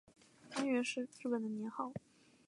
安元是日本的年号。